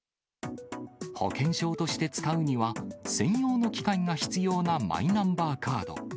保険証として使うには、専用の機械が必要なマイナンバーカード。